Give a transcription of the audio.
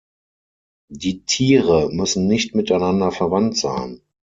Die Tiere müssen nicht miteinander verwandt sein.